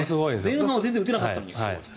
前半は全然打てなかったのに。